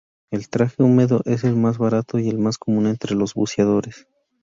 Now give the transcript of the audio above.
El traje húmedo es el más barato y el más común entre los buceadores.